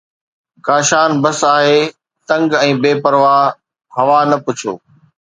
ڪاشان بس آهي تنگ ۽ بي پرواهه! هوا نه پڇو